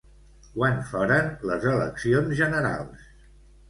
Quan foren les eleccions generals?